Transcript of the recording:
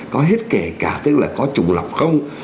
có hết kể cả tức là có trùng lập không